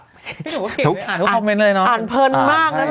พี่ถูกว่าเก่งเลยอ่านทุกคอมเม้นต์เลยเนอะอ่านเพลินมากนั้นหรอ